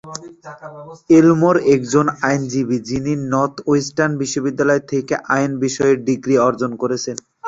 এলমোর একজন আইনজীবী। তিনি নর্থওয়েস্টার্ন বিশ্ববিদ্যালয় থেকে আইন বিষয়ে ডিগ্রি অর্জন করেছেন।